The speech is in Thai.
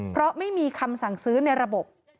เพราะไม่มีคำสั่งซื้อในระบบ